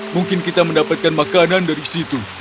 mungkin kita mendapatkan makanan dari situ